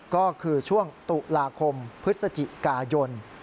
ก็คือช่วงตุลาคมพฤศจิกายน